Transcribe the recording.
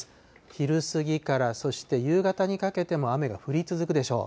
昼過ぎからそして夕方にかけても雨が降り続くでしょう。